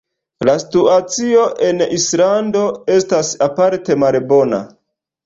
La situacio en Islando estas aparte malbona.